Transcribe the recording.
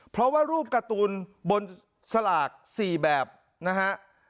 เพราะว่ารูปการ์ตูนบนสลาก๔แบบนะฮะ